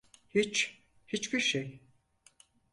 Hiç, hiçbir şey.